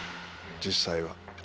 実際は。